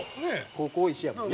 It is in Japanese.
高校一緒やもんね。